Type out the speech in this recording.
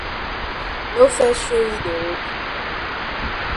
No fes show yi de road.